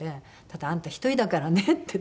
「ただあんた１人だからね」って。